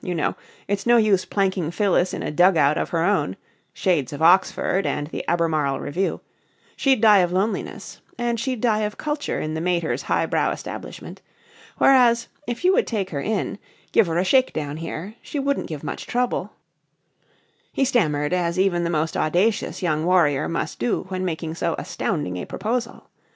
You know. It's no use planking Phyllis in a dug out of her own" shades of Oxford and the Albemarle Review! "she'd die of loneliness. And she'd die of culture in the mater's highbrow establishment. Whereas, if you would take her in give her a shake down here she wouldn't give much trouble " He stammered as even the most audacious young warrior must do when making so astounding a proposal.